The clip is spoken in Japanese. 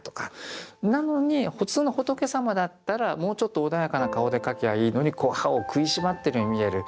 なのに普通の仏様だったらもうちょっと穏やかな顔で描きゃいいのに歯を食いしばってるように見える。